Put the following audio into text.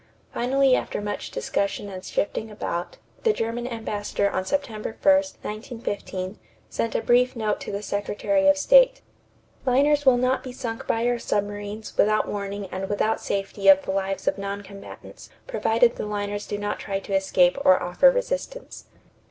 Finally after much discussion and shifting about, the German ambassador on September 1, 1915, sent a brief note to the Secretary of State: "Liners will not be sunk by our submarines without warning and without safety of the lives of non combatants, provided the liners do not try to escape or offer resistance."